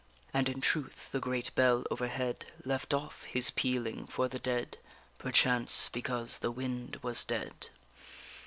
_And in truth the great bell overhead Left off his pealing for the dead, Perchance, because the wind was dead.